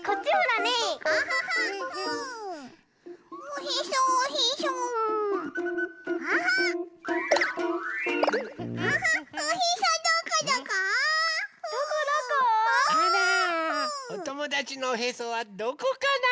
おともだちのおへそはどこかな？